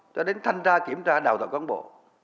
cho đến thanh tra kiểm tra đào tạo cán bộ